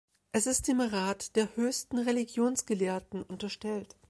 Es ist dem Rat der Höchsten Religionsgelehrten unterstellt.